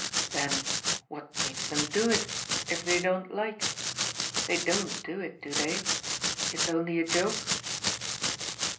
" Then what makes them do it if they don't like ? They don't do it, do they ? It's only a joke?